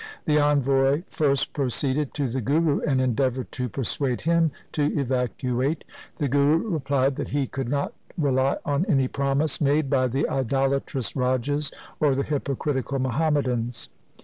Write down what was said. The envoy first proceeded to the Guru and endeavoured to persuade him to evacuate. The Guru replied that he could not rely on any promise made by the idolatrous rajas or the hypocritical Muhammadans.